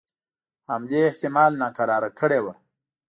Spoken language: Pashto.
حملې احتمال ناکراره کړي وه.